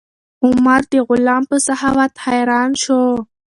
عمر د غلام په سخاوت حیران شو.